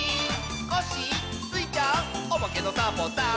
「コッシースイちゃんおまけのサボさん」